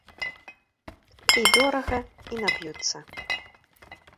І дорага, і нап'юцца.